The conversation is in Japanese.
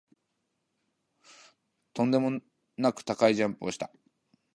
とんでもなく高くジャンプした